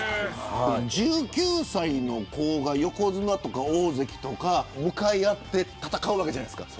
１９歳の子が横綱とか大関とかと向かい合って戦うわけじゃないですか。